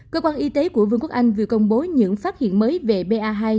cơ quan y tế của vương quốc anh vừa công bố những phát hiện mới về ba hai